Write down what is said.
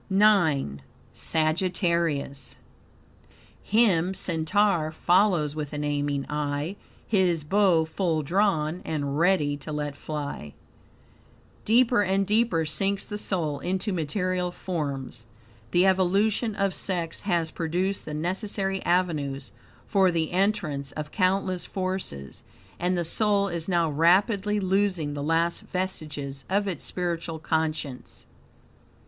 IX. Sagittarius "Him Centaur follows with an aiming eye, His bow full drawn, and ready to let fly." Deeper and deeper sinks the soul into material forms. The evolution of sex has produced the necessary avenues for the entrance of countless forces, and the soul is now rapidly losing the last vestiges of its spiritual conscience.